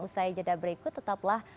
usai jeda berikut tetaplah